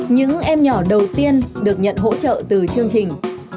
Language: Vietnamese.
những em nhỏ đầu tiên được nhận hỗ trợ từ chương trình